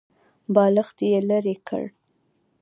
بالښت يې ليرې کړ.